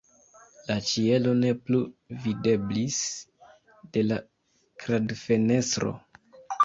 La ĉielo ne plu videblis de la kradfenestro.